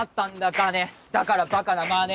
金だからバカな真似